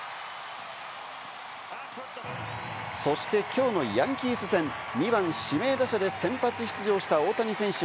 そしてきょうのヤンキース戦、２番・指名打者で先発出場した大谷選手。